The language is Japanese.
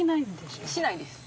しないです。